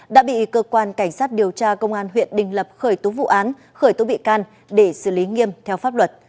đã bị cơ quan cảnh sát điều tra công an huyện đình lập khởi tố vụ án khởi tố bị can để xử lý nghiêm theo pháp luật